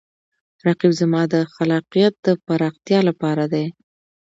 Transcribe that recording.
رقیب زما د خلاقیت د پراختیا لپاره دی